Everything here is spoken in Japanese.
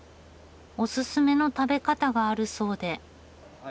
おすすめの食べ方があるそうで。